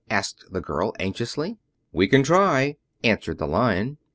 asked the girl anxiously. "We can try," answered the Lion.